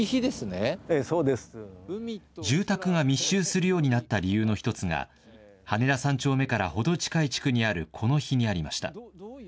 住宅が密集するようになった理由の１つが羽田３丁目から程近い地区にあるこの碑にありました。